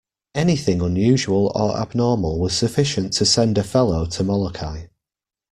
Anything unusual or abnormal was sufficient to send a fellow to Molokai.